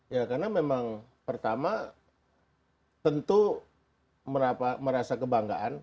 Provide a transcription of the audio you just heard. ya karena memang pertama tentu merasa kebanggaan